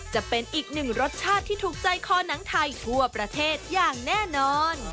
จะเป็นอีกหนึ่งรสชาติที่ถูกใจคอหนังไทยทั่วประเทศอย่างแน่นอน